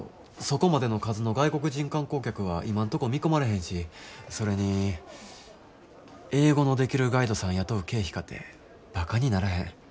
そこまでの数の外国人観光客は今んとこ見込まれへんしそれに英語のできるガイドさん雇う経費かてばかにならへん。